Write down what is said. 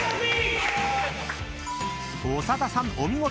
［長田さんお見事！